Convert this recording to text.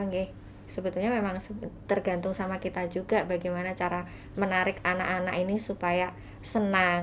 jadi sebetulnya memang tergantung sama kita juga bagaimana cara menarik anak anak ini supaya senang